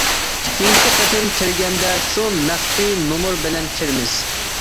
كېيىنكى قېتىم كىرگەندە شۇ مەخپىي نومۇر بىلەن كىرىمىز.